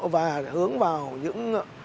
và hướng vào những tâm thiện